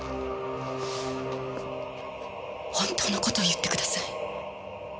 本当の事を言ってください。